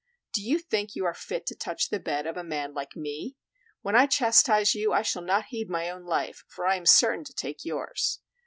Do you think you are fit to touch the bed of a man like me? When I chastise you I shall not heed my own life, for I am certain to take yours.